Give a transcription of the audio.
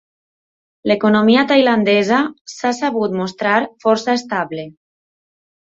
L’economia tailandesa s’ha sabut mostrar força estable.